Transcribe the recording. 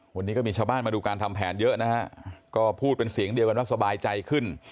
วันนี้ก็มีชาวบ้านมาดูการทำแผนเยอะนะฮะก็พูดเป็นเสียงเดียวกันว่าสบายใจขึ้น